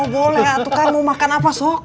boleh atuh kamu makan apa sok